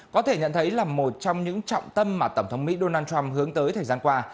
có thể nhận thấy là một trong những trọng tâm mà tổng thống mỹ donald trump hướng tới thời gian qua